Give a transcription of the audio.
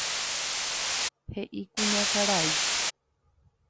He'i kuñakarai.